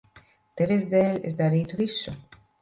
Tevis dēļ es darītu visu.